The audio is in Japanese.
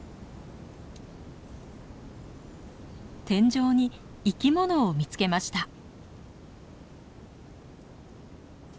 天井に生き物を見つけました。